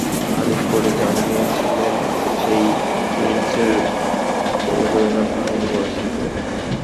হানিফ পরে জানিয়েছিলেন, সেই ইনিংসের অনুপ্রেরণা ভাই ওয়াজিরের মতো তাঁর মা-ও।